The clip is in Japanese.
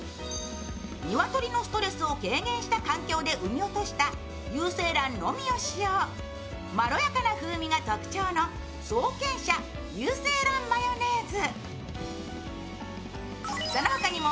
鶏のストレスを軽減した環境で産み落とした有精卵のみを使用まろやかな風味が特徴の創建社・有精卵マヨネーズ。